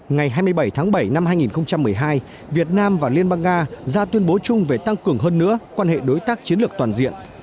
ngày hai mươi bảy tháng bảy năm hai nghìn một mươi hai việt nam và liên bang nga ra tuyên bố chung về tăng cường hơn nữa quan hệ đối tác chiến lược toàn diện